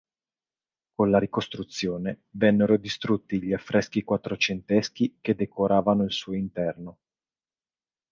Con la ricostruzione vennero distrutti gli affreschi quattrocenteschi che decoravano il suo interno.